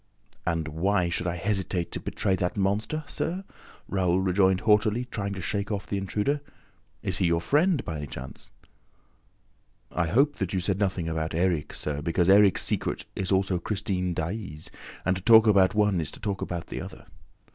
"And why should I hesitate to betray that monster, sir?" Raoul rejoined haughtily, trying to shake off the intruder. "Is he your friend, by any chance?" "I hope that you said nothing about Erik, sir, because Erik's secret is also Christine Daae's and to talk about one is to talk about the other!"